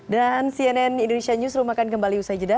dan cnn indonesia newsroom akan kembali usai jeda